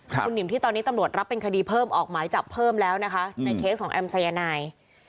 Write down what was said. คุณหิมที่ตอนนี้ตำรวจรับเป็นคดีเพิ่มออกหมายจับเพิ่มแล้วนะคะในเคสของแอมสายนาย